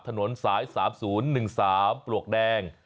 ถนนสาย๓๐๑๓ปลวกแดง